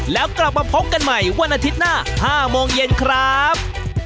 แล้วกลับมาพบกันใหม่วันอาทิตย์หน้า๕โมงเย็นครับ